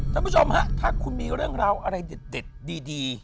ท่านผู้ชมฮะถ้าคุณมีเรื่องราวอะไรเด็ดดี